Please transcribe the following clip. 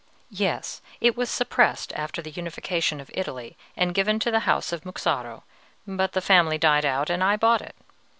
"Yes; it was suppressed after the unification of Italy, and given to the House of Muxaro; but the family died out, and I bought it.